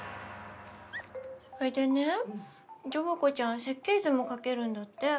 それでねジョブ子ちゃん設計図も描けるんだって。